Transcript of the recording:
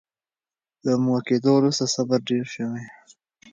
له مور کېدو وروسته صبر ډېر شوی.